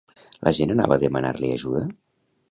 La gent anava a demanar-li ajuda?